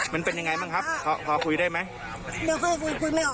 มันเป็นยังไงมั้งครับพอพูดได้ไหม